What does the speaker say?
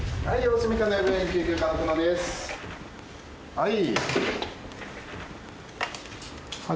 はい。